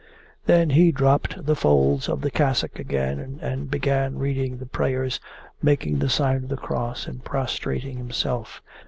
Then he dropped the folds of the cassock again and began reading the prayers, making the sign of the cross and prostrating himself.